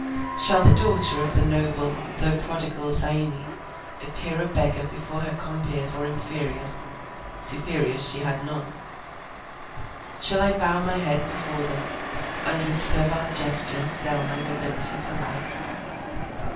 Shall the daughter of the noble, though prodigal Zaimi, appear a beggar before her compeers or inferiors—superiors she had none. Shall I bow my head before them, and with servile gesture sell my nobility for life?